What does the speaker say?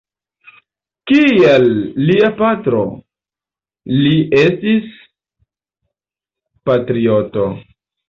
Kiel lia patro, li estis patrioto.